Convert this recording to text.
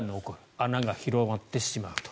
穴が広がってしまうと。